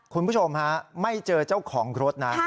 คุณผู้ชมฮะไม่เจอเจ้าของรถนะ